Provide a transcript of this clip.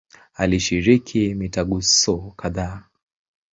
Alishiriki mitaguso kadhaa.